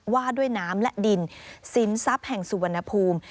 ว่าด้วยน้ำและดินสินทรัพย์แห่งสุวรรณภูมิ